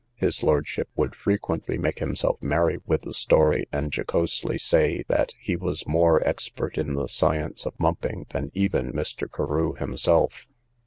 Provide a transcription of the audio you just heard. His lordship would frequently make himself merry with the story, and jocosely say, that he was more expert in the science of mumping than even Mr. Carew himself.